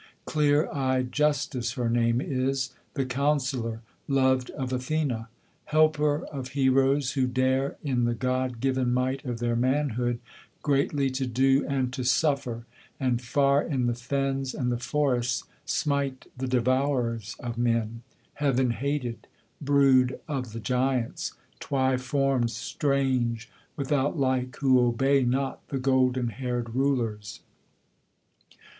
Clear eyed Justice her name is, the counsellor, loved of Athene; Helper of heroes, who dare, in the god given might of their manhood, Greatly to do and to suffer, and far in the fens' and the forests Smite the devourers of men, Heaven hated, brood of the giants, Twyformed, strange, without like, who obey not the golden haired Rulers.